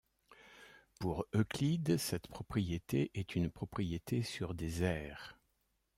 Pour Euclide cette propriété est une propriété sur des aires.